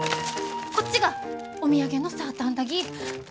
こっちがお土産のサーターアンダギー。